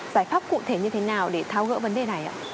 giải pháp cụ thể như thế nào để tháo gỡ vấn đề này ạ